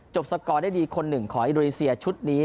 สกอร์ได้ดีคนหนึ่งของอินโดนีเซียชุดนี้